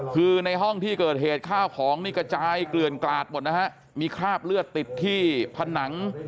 คือในห้องที่เกิดเหตุข้าวของนี่กระจายเกลื่อนกลาดหมดนะฮะมีคราบเลือดติดที่ผนัง